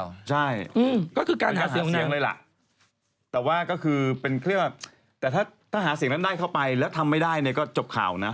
ถูกต้องก็คือการหาเสียงนั้นแต่ว่าก็คือเป็นเครื่องว่าแต่ถ้าหาเสียงนั้นได้เข้าไปแล้วทำไม่ได้เนี่ยก็จบข่าวนะ